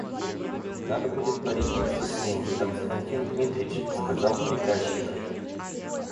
Надо будет порядиться с ним, Константин Дмитрич, — сказал приказчик.